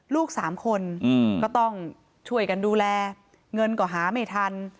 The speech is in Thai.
ลูกสามคนก็ต้องช่วยกันดูแลเงินก็หาไม่ทัน